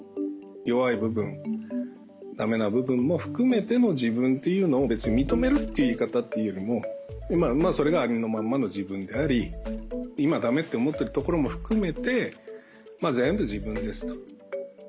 弱い部分ダメな部分も含めての自分というのを別に認めるという言い方というよりもそれがありのまんまの自分であり今ダメって思ってるところも含めて全部自分ですと。